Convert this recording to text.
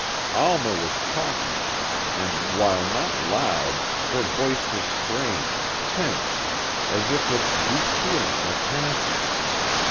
Alma was talking, and while not loud, her voice was strained, tense, as if with deep feeling or passion.